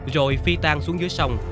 rồi phi tan xuống dưới sông